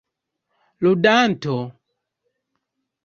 ludanto